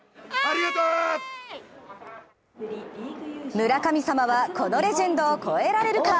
村神様は、このレジェンドを超えられるか？